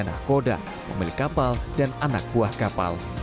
saranyana koda pemilik kapal dan anak buah kapal